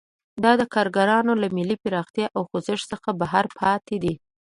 دا کارګران له ملي پراختیا او خوځښت څخه بهر پاتې دي.